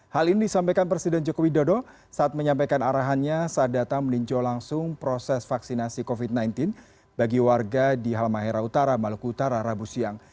hal ini disampaikan presiden joko widodo saat menyampaikan arahannya saat datang meninjau langsung proses vaksinasi covid sembilan belas bagi warga di halmahera utara maluku utara rabu siang